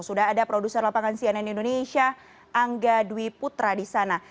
sudah ada produser lapangan cnn indonesia angga dwi putra di sana